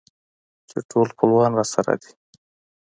چې ټول خپلوان راسره دي.